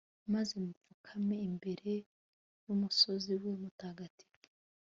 maze mupfukame imbere y'umusozi we mutagatifu